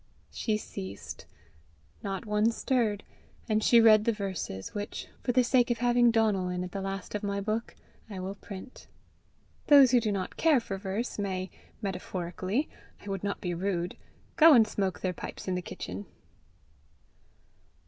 She ceased. Not one stirred, and she read the verses which, for the sake of having Donal in at the last of my book, I will print. Those who do not care for verse, may metaphorically, I would not be rude go and smoke their pipes in the kitchen.